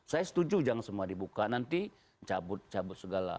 saya setuju jangan semua dibuka nanti cabut cabut segala